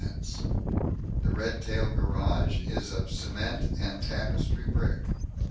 The Red Trail Garage is of cement and tapestry brick.